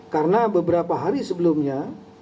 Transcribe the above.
karena beberapa hari sebelumnya